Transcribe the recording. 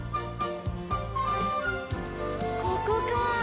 ここか！